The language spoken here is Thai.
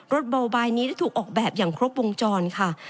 เบาบายนี้ได้ถูกออกแบบอย่างครบวงจรค่ะ